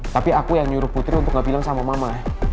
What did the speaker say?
tapi aku yang nyuruh putri untuk gak bilang sama mama